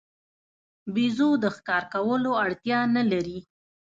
بیزو د ښکار کولو اړتیا نه لري.